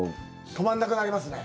止まらなくなりますね。